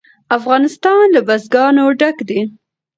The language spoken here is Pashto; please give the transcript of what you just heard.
افغانستان له بزګان ډک دی.